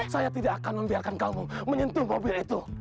saya tidak akan membiarkan kamu menyentuh mobil itu